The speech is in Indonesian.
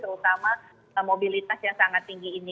terutama mobilitas yang sangat tinggi ini